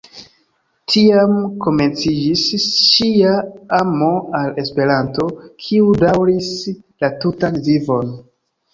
Tiam komenciĝis ŝia amo al Esperanto, kiu daŭris la tutan vivon.